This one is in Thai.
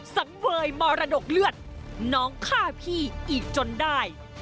สังเวยมรดกเลือดน้องฆ่าพี่อีกจนได้